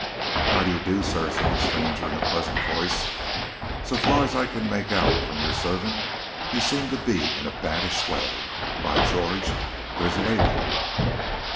"How do you do, sir?" said the stranger in a pleasant voice. "So far as I can make out from your servant you seem to be in a baddish way. By George! there is a lady."